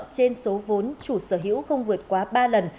trên số vốn chủ sở hữu không vượt quá ba lần